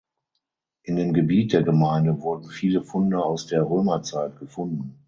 In dem Gebiet der Gemeinde wurden viele Funde aus der Römerzeit gefunden.